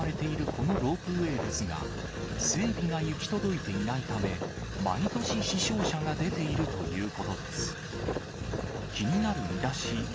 このロープウエーですが、整備が行き届いていないため、毎年、死傷者が出ているということです。